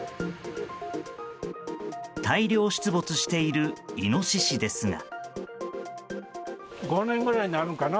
大量出没しているイノシシですが。